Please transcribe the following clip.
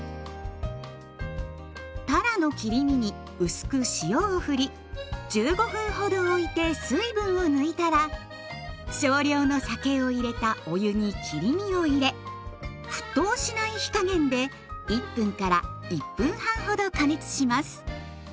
たらの切り身に薄く塩をふり１５分ほどおいて水分を抜いたら少量の酒を入れたお湯に切り身を入れ沸騰しない火加減で１分から１分半ほど加熱します。